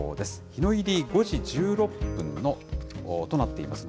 日の入り、５時１６分となっています。